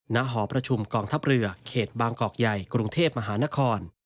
หอประชุมกองทัพเรือเขตบางกอกใหญ่กรุงเทพมหานคร